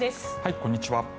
こんにちは。